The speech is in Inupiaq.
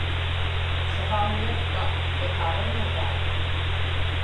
savaunnatka iqaġiŋagai